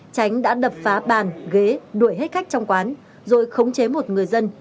tránh đã đập phá bàn ghế đuổi hết cách trong quán rồi khống chế một người dân